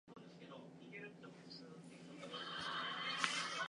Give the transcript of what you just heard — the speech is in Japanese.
晩年、ますます加茂川を愛するようになってきました